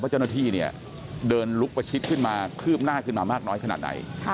เจ้าหน้าที่เนี่ยเดินลุกประชิดขึ้นมาคืบหน้าขึ้นมามากน้อยขนาดไหน